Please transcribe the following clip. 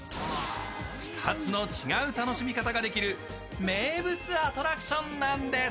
２つの違う楽しみ方ができる名物アトラクションなんです。